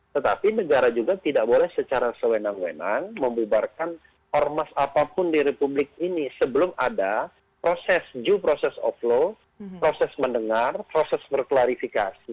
tetapi negara juga tidak boleh secara sewenang wenang membubarkan ormas apapun di republik ini sebelum ada proses due process of law proses mendengar proses berklarifikasi